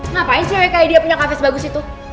ngapain sih kayak dia punya kafe sebagus itu